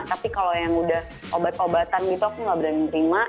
tapi kalau yang udah obat obatan gitu aku nggak berani nerima